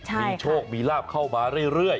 มีโชคมีลาบเข้ามาเรื่อย